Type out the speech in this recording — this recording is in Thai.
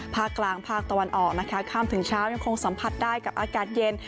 ภาคกลางภาคตะวันออกนะคะข้ามถึงเช้ายังคงสัมผัสได้กับอากาศเย็น